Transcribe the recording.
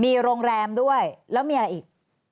มีโรงแรมด้วยแล้วมีอะไรอีก